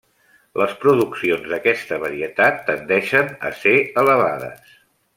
Les produccions d’aquesta varietat tendeixen a ser elevades.